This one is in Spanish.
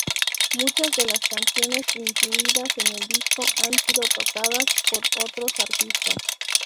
Muchas de las canciones incluidas en el disco han sido tocadas por otros artistas.